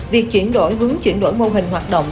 việc chuyển đổi hướng chuyển đổi mô hình hoạt động